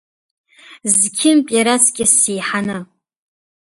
Зқьынтә иараҵкьыс сеиҳаны.